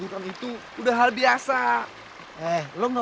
hai medium wajah tarer